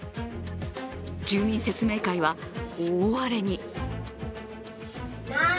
住民説明会は大荒れに。